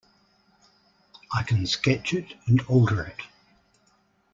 I can sketch it and alter it.